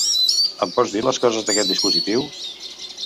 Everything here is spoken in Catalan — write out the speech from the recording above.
Em pots dir les coses d'aquest dispositiu?